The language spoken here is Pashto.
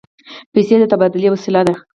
پیسې د تبادلې وسیله ده.